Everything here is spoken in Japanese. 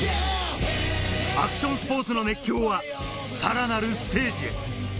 アクションスポーツの熱狂は、さらなるステージへ。